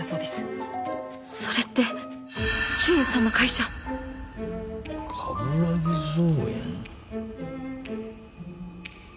それって俊也さんの会社！鏑木造園。